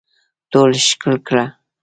ټول ښکل کړه